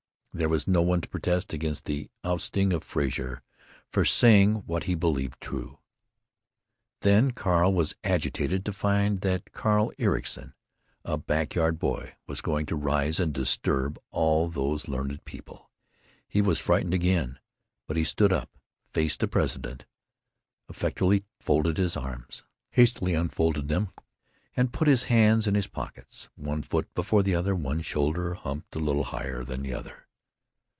There was no one to protest against the ousting of Frazer for saying what he believed true. Then Carl was agitated to find that Carl Ericson, a back yard boy, was going to rise and disturb all these learned people. He was frightened again. But he stood up, faced the president, affectedly folded his arms, hastily unfolded them and put his hands in his pockets, one foot before the other, one shoulder humped a little higher than the other.